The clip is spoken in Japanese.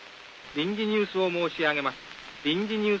臨時ニュースを申し上げます。